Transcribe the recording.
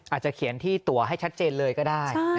อาจจะเขียนที่ตัวให้ชัดเจนเลยก็ได้